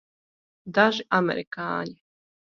Daži amerikāņi.